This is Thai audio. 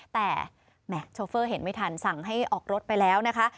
แต่แหม่โชเฟอร์เห็นไม่ทันสั่งให้ออกรถไปแล้วนะคะ